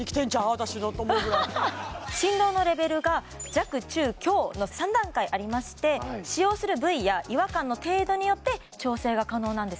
私のと思うぐらい振動のレベルが弱中強の３段階ありまして使用する部位や違和感の程度によって調整が可能なんです